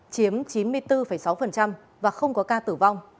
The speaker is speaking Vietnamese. chiếm chín mươi bốn sáu và không có ca tử vong